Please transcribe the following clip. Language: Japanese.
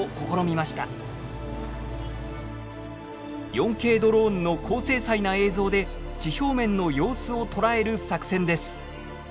４Ｋドローンの高精細な映像で地表面の様子を捉える作戦です。